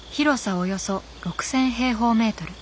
およそ６，０００平方メートル。